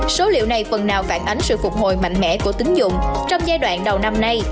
số liệu này phần nào phản ánh sự phục hồi mạnh mẽ của tính dụng trong giai đoạn đầu năm nay